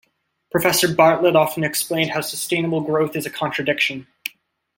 Professor Bartlett often explained how sustainable growth is a contradiction.